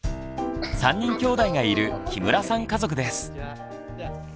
３人きょうだいがいる木村さん家族です。